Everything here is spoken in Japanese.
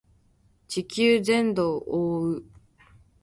地球全土を覆う